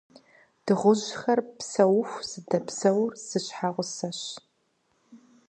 Дыгъужьхэр псэуху зыдэпсэур зы щхьэгъусэщ.